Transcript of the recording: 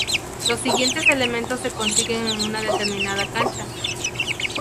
Los siguientes elementos se consiguen en una determinada cancha.